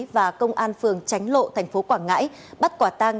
và công an phường tránh lộ thành phố quảng ngãi bắt quả tang